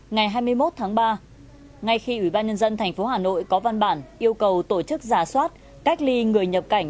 ngày hai mươi một tháng ba ngay khi ủy ban nhân dân tp hà nội có văn bản yêu cầu tổ chức giả soát cách ly người nhập cảnh